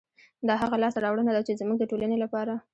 دا هغه لاسته راوړنه ده، چې زموږ د ټولنې لپاره